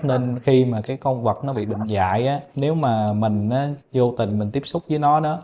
nên khi mà cái con vật nó bị bệnh dại á nếu mà mình vô tình mình tiếp xúc với nó đó